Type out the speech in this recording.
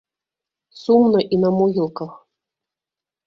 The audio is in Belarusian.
Сумна і на могілках.